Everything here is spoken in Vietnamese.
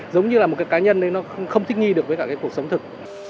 giống như là một cái cá nhân đấy nó không thích nghi được với cả cái cuộc sống thực